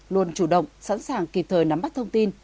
luôn chủ động sẵn sàng kịp thời nắm bắt thông tin